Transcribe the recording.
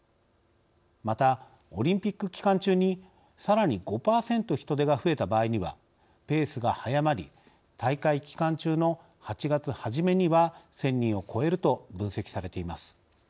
また、オリンピック期間中にさらに５％人出が増えた場合にはペースが速まり大会期間中の８月初めには１０００人を超えると分析されています。